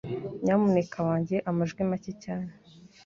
Nyamuneka wange amajwi make cyane.